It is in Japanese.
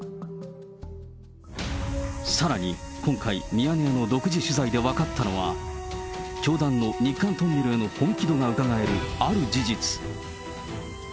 さらに今回、ミヤネ屋の独自取材で分かったのは、教団の日韓トンネルへの本気度がうかがえるある事実。